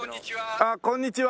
あっこんにちは。